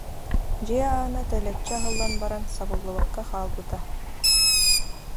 Дьиэ аана тэлэччи аһыллан баран, сабыллыбакка хаалбыта